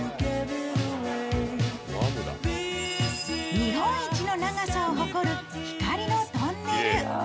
日本一の長さを誇る光のトンネル。